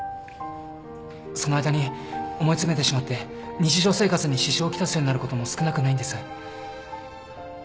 その間に思い詰めてしまって日常生活に支障を来すようになることも少なくないんです。